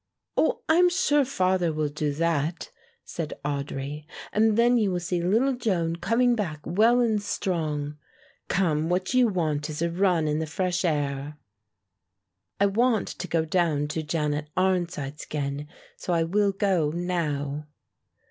"Oh, I am sure father will do that," said Audry, "and then you will see little Joan coming back well and strong. Come, what you want is a run in the fresh air." "I want to go down to Janet Arnside's again, so I will go now."